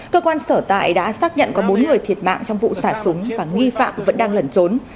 cơ quan sở tại đã xác nhận có bốn người thiệt mạng trong vụ xả súng và nghi phạm vẫn đang lẩn trốn